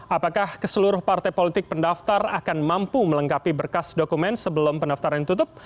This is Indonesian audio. apakah keseluruh partai politik pendaftar akan mampu melengkapi berkas dokumen sebelum pendaftaran tutup